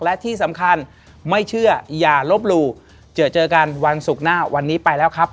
และที่สำคัญไม่เชื่ออย่าลบหลู่เจอเจอกันวันศุกร์หน้าวันนี้ไปแล้วครับ